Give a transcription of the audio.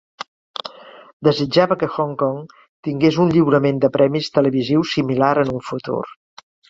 Desitjava que Hong Kong tingués un lliurament de premis televisius similar en un futur.